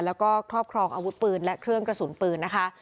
แล้วก็ครอบครองอาวุธปืนและเครื่องกระสุนปืนนะคะ